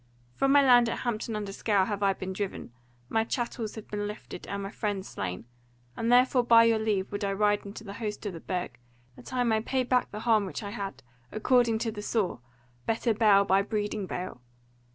From my land at Hampton under Scaur have I been driven, my chattels have been lifted, and my friends slain; and therefore by your leave would I ride in the host of the Burg, that I may pay back the harm which I had, according to the saw, 'better bale by breeding bale.'